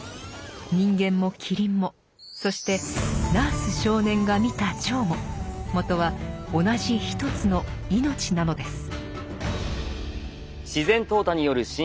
人間もキリンもそしてナース少年が見た蝶ももとは同じ一つの「命」なのです。